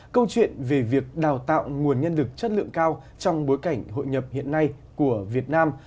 câu chuyện về việc đào tạo nguồn nhân lực chất lượng cao trong bối cảnh hội nhập hiện nay của việt nam